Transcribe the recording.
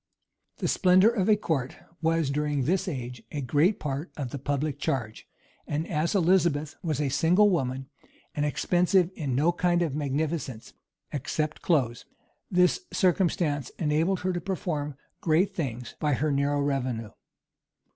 The splendor of a court was during this age a great part of the public charge; and as Elizabeth was a single woman, and expensive in no kind of magnificence, except clothes, this circumstance enabled her to perform great things by her narrow revenue.